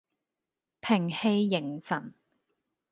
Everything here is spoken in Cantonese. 屏氣凝神